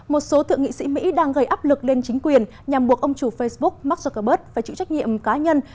một số thượng nghị sĩ mỹ đang gây áp lực lên chính quyền nhằm buộc ông chủ facebook mark zuckerberg phải chịu trách nhiệm cá nhân